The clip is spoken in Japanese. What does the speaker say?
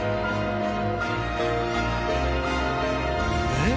えっ？